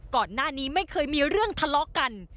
ก่อนหน้านี้ไม่เคยมีเรื่องทะเลาะกัน